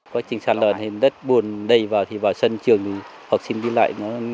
quá trình sạt lở đến đất buồn đầy vào thì vào sân trường học sinh đi lại